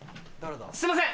すいません